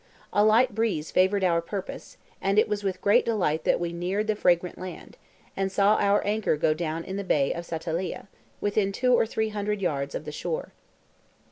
A light breeze favoured our purpose, and it was with great delight that we neared the fragrant land, and saw our anchor go down in the bay of Satalieh, within two or three hundred yards of the shore.